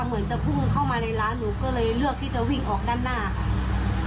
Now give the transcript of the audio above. เหมือนจะพุ่งเข้ามาในร้านหนูก็เลยเลือกที่จะวิ่งออกด้านหน้าค่ะ